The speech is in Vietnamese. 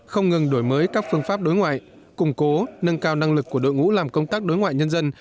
không ngừng đổi mới các phương pháp đối ngoại củng cố nâng cao năng lực của đội ngũ làm công tác đối ngoại nhân dân